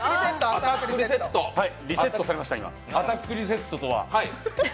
アタックリセット！